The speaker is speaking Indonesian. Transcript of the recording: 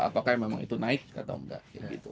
apakah memang itu naik atau enggak gitu